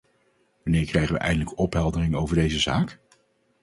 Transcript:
Wanneer krijgen we eindelijk opheldering over deze zaak?